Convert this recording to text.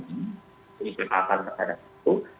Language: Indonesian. penyelidikan akan terhadap itu